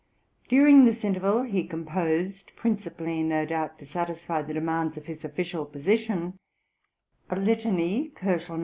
During this interval he composed, principally no doubt to satisfy the demands of his official position, a "Litany" (109 K.)